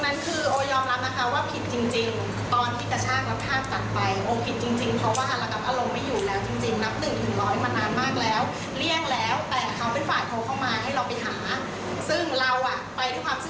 การใช้ชีวิตโอจากนี้ไป